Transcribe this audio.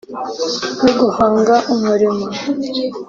yo guhanga umurimo